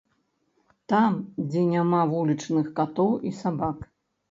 Там, дзе няма вулічных катоў і сабак.